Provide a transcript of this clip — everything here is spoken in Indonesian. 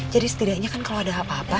jadi setidaknya kan kalau ada apa apa